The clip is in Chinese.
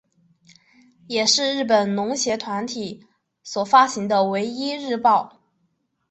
也是日本农协团体所发行的唯一日报。